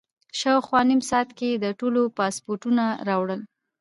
شاوخوا نیم ساعت کې یې د ټولو پاسپورټونه راوړل.